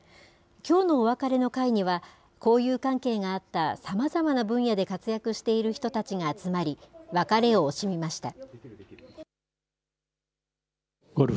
きょうのお別れの会には、交友関係があったさまざまな分野で活躍している人たちが集まり、別れを惜しみました。